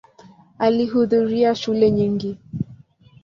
Alihudhuria shule nyingi.